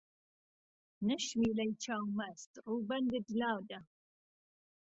نهشمیلهی چاومهست رووبهندت لاده